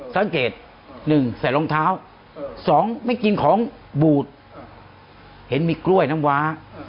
สังเกต๑ใส่รองเท้า๒ไม่กินของบูดเห็นมีกล้วยน้ำว้า